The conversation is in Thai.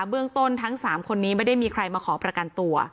เบื้องต้นทั้ง๓คนนี้ไม่ได้มีใครมาขอประกันตัว